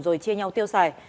rồi chia nhau tiêu xài